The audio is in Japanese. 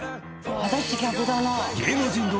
私逆だな。